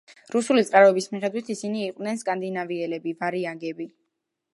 რუსული წყაროების მიხედვით ისინი იყვნენ სკანდინავიელები, ვარიაგები.